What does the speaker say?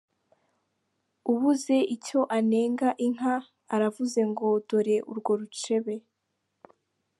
Ubuze icyo anenga inka, aravuga ngo dore urwo rucebe.